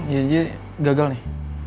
ya jadi gagal nih